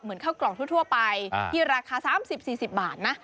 เหมือนเข้ากล่องทั่วไปที่ราคา๓๐๔๐บาทนะ